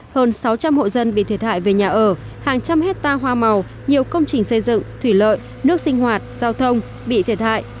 hơn sáu trăm linh hộ dân bị thiệt hại về nhà ở hàng trăm hectare hoa màu nhiều công trình xây dựng thủy lợi nước sinh hoạt giao thông bị thiệt hại